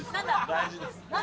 大事です。